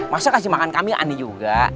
masa kasih makan kambing aneh juga